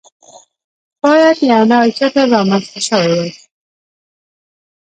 باید یو نوی چتر رامنځته شوی وای.